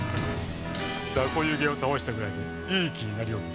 ザコ湯気を倒したぐらいでいい気になりおって。